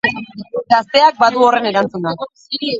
Gazteak badu horren erantzuna.